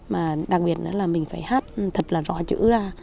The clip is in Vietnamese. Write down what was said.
mà đặc biệt là mình phải hát thật là rõ chữ ra